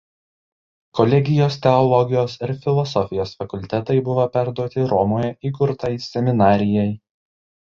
Kolegijos Teologijos ir Filosofijos fakultetai buvo perduoti Romoje įkurtai seminarijai.